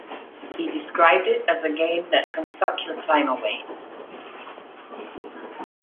He described it as a game that can suck your time away.